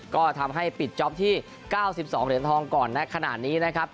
ก็ทำให้ปิดจ๊อปที่๙๒เหรียญทองก่อนในขณะนี้นะครับ